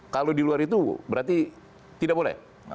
kalau di luar itu berarti tidak boleh